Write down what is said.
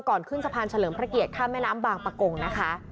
ขึ้นสะพานเฉลิมพระเกียรติข้ามแม่น้ำบางประกงนะคะ